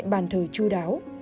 bàn thờ chú đáo